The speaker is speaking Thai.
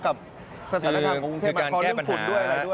กับสถานธรรมคุณเข้ามาเรื่องฝุ่นด้วยอะไรด้วย